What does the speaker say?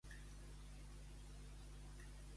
La tisi es cura bevent sang de bou negre.